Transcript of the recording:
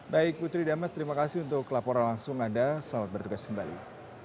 baik putri damas terima kasih untuk laporan langsung anda selamat bertugas kembali